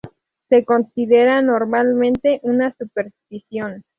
Se considera normalmente una superstición.